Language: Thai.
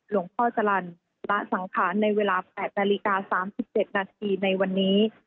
หลวงพ่อจรรย์ละสังขารในเวลา๘นาฬิกา๓๗นาทีในวันนี้